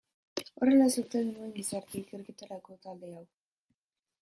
Horrela sortu genuen gizarte ikerketarako talde hau.